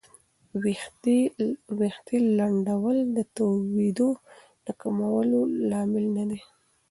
ویښتې لنډول د توېیدو د کمولو لامل نه دی.